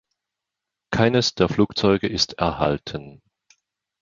Keines der Flugzeuge ist erhalten.